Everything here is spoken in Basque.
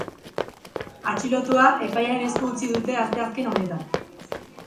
Atxilotua epailearen esku utzi dute asteazken honetan.